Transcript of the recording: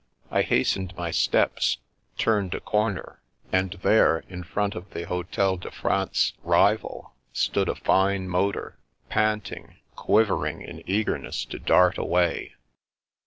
I hastened my steps, turned a corner, and there, in front of the Hotel de France's rival, stood a fine motor, panting, quivering in eagerness to dart away.